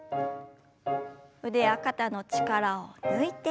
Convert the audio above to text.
腕や肩の力を抜いて。